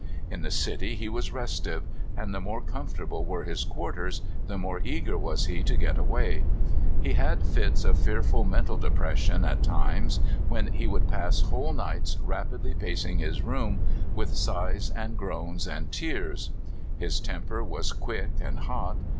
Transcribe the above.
In the city he was restive, and the more comforta ble were his quarters the more eager was he to get away. He had fits of fearful mental depression at times, when he would pass whole nights rapidly pacing his room, with sighs and groans and tears. ^8 CALIFORNIA SKETCHES. His temper was quick and hot.